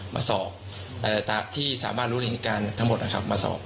มาสอบที่สามารถรู้ในเหตุการณ์ทั้งหมดนะครับมาสอบ